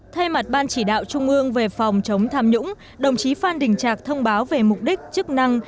thay mặt ban chỉ đạo trung ương về phòng chống tham nhũng đồng chí phan đình trạc thông báo về mục đích chức năng